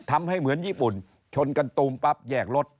ทำให้เหมือนญี่ปุ่นชนกันตูมปั๊บแยกรถ